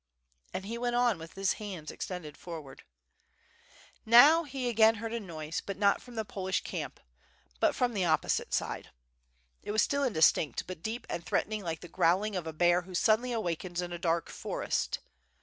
And he went on with his hands extended forward. Now he again heard a noise, but not from the Polish camp, but from the opposite side. It was still indistinct, but deep and threatening like the growling of a bear who suddenly awakens in a dark forest.